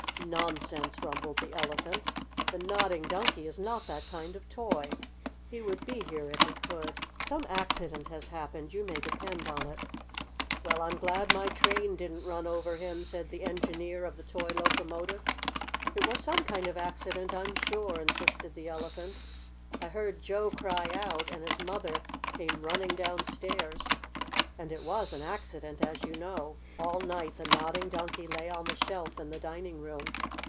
"Nonsense!" rumbled the Elephant. "The Nodding Donkey is not that kind of toy. He would be here if he could. Some accident has happened, you may depend on it." "Well, I'm glad my train didn't run over him," said the Engineer of the toy locomotive. "It was some kind of accident, I'm sure," insisted the Elephant. "I heard Joe cry out, and his mother came running downstairs." And it was an accident, as you know. All night the Nodding Donkey lay on the shelf in the dining room.